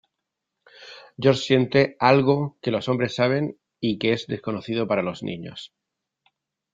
George siente “algo que lo hombres saben y que es desconocido para los niños.